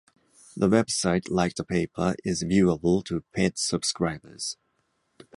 The website, like the paper, is viewable to paid subscribers.